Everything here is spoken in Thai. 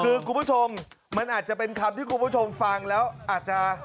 คือคุณผู้ชมมันอาจจะเป็นคำที่คุณผู้ชมฟังแล้วอาจจะ